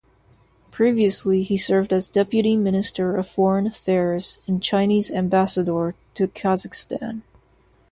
Previously he served as deputy minister of Foreign Affairs and Chinese Ambassador to Kazakhstan.